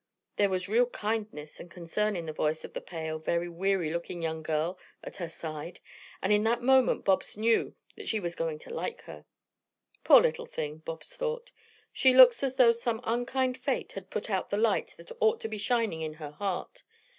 There was real kindness and concern in the voice of the pale, very weary looking young girl at her side, and in that moment Bobs knew that she was going to like her. "Poor little thing," Bobs thought. "She looks as though some unkind Fate had put out the light that ought to be shining in her heart.